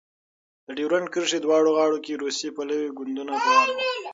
د ډیورند کرښې دواړو غاړو کې روسي پلوی ګوندونه فعال وو.